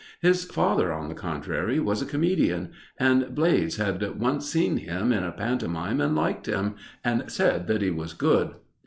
His father, on the contrary, was a comedian, and Blades had once seen him in a pantomime and liked him, and said that he was good.